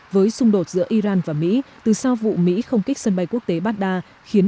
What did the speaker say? với xung đột giữa iran và mỹ từ sau vụ mỹ không kích sân bay quốc tế baghdad khiến